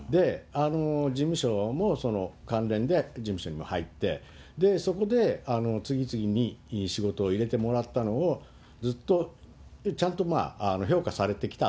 事務所もその関連で事務所にも入って、そこで次々に仕事を入れてもらったのを、ずっとちゃんと評価されてきた。